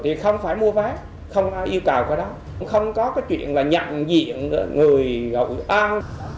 thì không phải mua vé không yêu cầu có đó không có cái chuyện là nhận diện người hội an